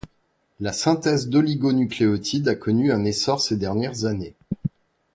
La synthèse d'oligonucléotides a connu un essor ces dernières années.